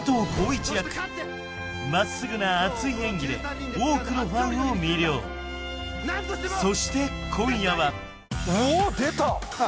一役真っすぐな熱い演技で多くのファンを魅了そして今夜はうおっ出た！